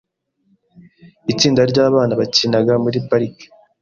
Itsinda ryabana bakinaga muri parike .